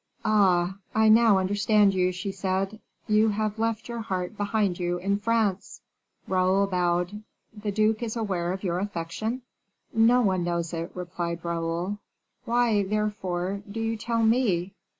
"Ah! I now understand you," she said; "you have left your heart behind you in France." Raoul bowed. "The duke is aware of your affection?" "No one knows it," replied Raoul. "Why, therefore, do you tell me?